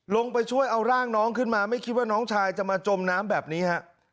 ลงไปช่วยเอาร่างน้องขึ้นมาไม่คิดว่าน้องชายจะมาจมน้ำแบบนี้ฮะ